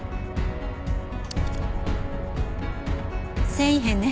繊維片ね。